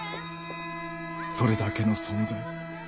それだけの存在。